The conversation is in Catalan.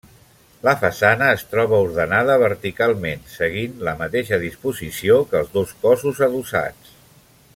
La façana es troba ordenada verticalment, seguint la mateixa disposició que els dos cossos adossats.